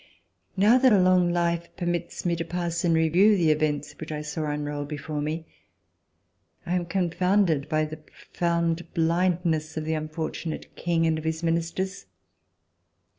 Now that a long life permits me to pass In review the events which I saw unroll be fore me, I am confounded by the profound blind ness of the unfortunate King and of his Ministers.